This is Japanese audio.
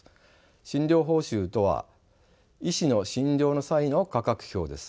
診療報酬とは医師の診療の際の価格表です。